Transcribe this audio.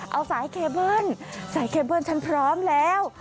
เอาสายเคเบิ้ลสายเคเบิ้ลฉันพร้อมแล้ว